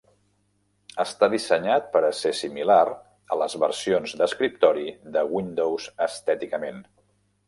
Està dissenyat per a ser similar a les versions d'escriptori de Windows estèticament.